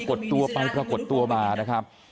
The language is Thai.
ประกดตัวไปประกดตัวมานะครับ